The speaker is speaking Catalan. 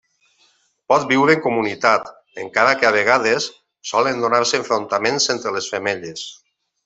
Pot viure en comunitat, encara que a vegades solen donar-se enfrontaments entre les femelles.